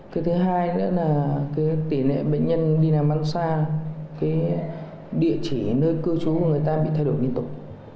cái thứ hai nữa là cái tỷ lệ bệnh nhân đi làm ăn xa cái địa chỉ nơi cư trú của người ta bị thay đổi liên tục